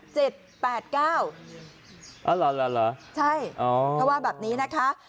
เจ็ดแปดเก้าเอาล่ะเอาล่ะใช่อ๋อว่าแบบนี้นะคะ